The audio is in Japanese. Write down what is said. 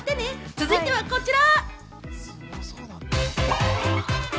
続いてはこちら。